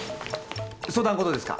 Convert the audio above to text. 相談事ですか？